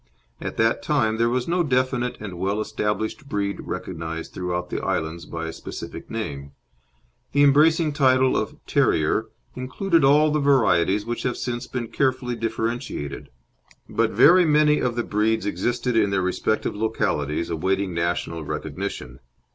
At that time there was no definite and well established breed recognised throughout the islands by a specific name; the embracing title of "Terrier" included all the varieties which have since been carefully differentiated. But very many of the breeds existed in their respective localities awaiting national recognition.